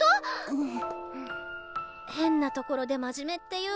うん。